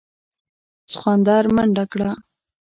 سخوندر منډه کړه.